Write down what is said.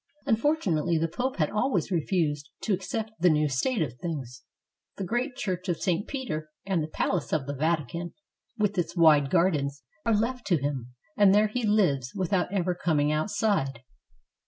Unfor tunately the Pope has always refused to accept the new state of things. The great church of St. Peter and the palace of the Vatican, with its wide gardens, are left to him, and there he lives without ever coming outside.